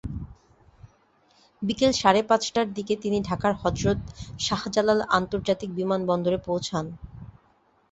বিকেল সাড়ে পাঁচটার দিকে তিনি ঢাকায় হজরত শাহজালাল আন্তর্জাতিক বিমানবন্দরে পৌঁছান।